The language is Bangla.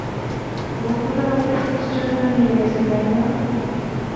বন্ধুরা ওদের পুলিশ স্টেশনে নিয়ে গেছে, তাই না?